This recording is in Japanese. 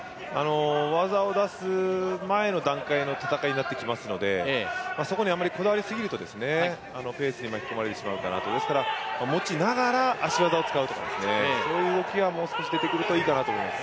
技を出す前の段階の戦いになってきますのでそこにあんまりこだわりすぎるとペースに巻き込まれてしまうから、持ちながら足技を使う、そういう動きがもう少し出てくるといいかなと思います。